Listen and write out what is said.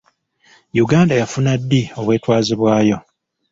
Uganda yafuna ddi obwetwaze bwayo?